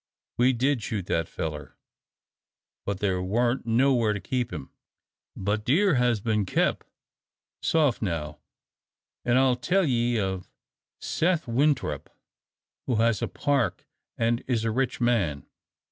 "We did shoot that feller, but thar warn't nowhere to keep him, but deer has bin kep'. Soft now, an' I'll tell ye of Seth Winthrop, who has a park an' is a rich man.